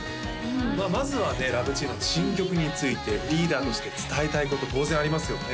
まずはねＬＯＶＥＣＣｉＮＯの新曲についてリーダーとして伝えたいこと当然ありますよね？